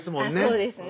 そうですね